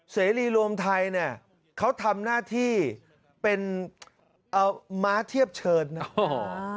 เสรีรวมไทยเขาทำหน้าที่เป็นมาเทียบเชิญนะครับ